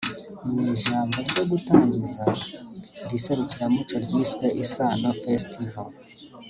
Mu ijambo ryo gutangiza iri serukiramuco ryiswe Isaano Festival